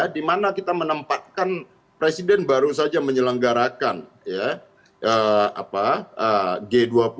di mana kita menempatkan presiden baru saja menyelenggarakan g dua puluh